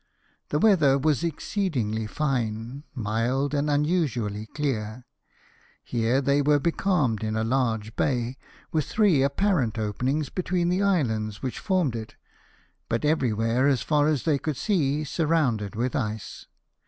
The weather was exceedingly fine, mild, and unusually clear. Here they were becalmed in a large bay, with three apparent openings between the islands which formed it ; but everywhere, as far as they could see, sur rounded with ice.